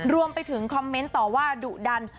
รวมไปถึงคอมเมนต์ต่อว่าดุดัน